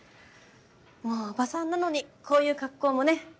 もうおばさんなのにこういう格好もね。